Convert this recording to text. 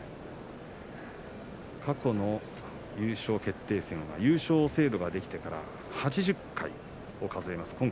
過去の優勝決定戦は優勝制度ができてから８０回を数えます。